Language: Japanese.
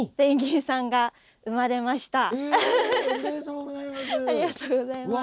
ありがとうございます。